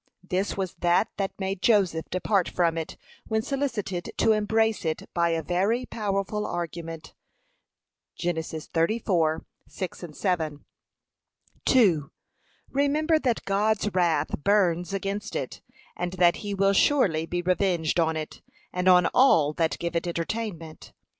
This was that that made Joseph depart from it, when solicited to embrace it by a very powerful argument. (Gen. 34:6 7) 2. Remember that God's wrath burns against it, and that he will surely be revenged on it, and on all that give it entertainment.